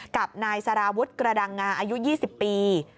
กับนายสารวุฒิกระดังงาอายุ๒๐ปี